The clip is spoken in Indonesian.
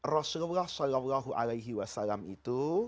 rasulullah sallallahu alaihi wasallam itu